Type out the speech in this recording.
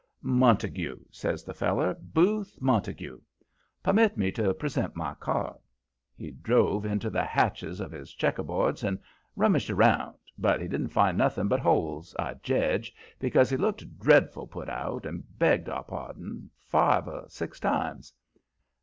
"Montague," says the feller. "Booth Montague. Permit me to present my card." He drove into the hatches of his checkerboards and rummaged around, but he didn't find nothing but holes, I jedge, because he looked dreadful put out, and begged our pardons five or six times.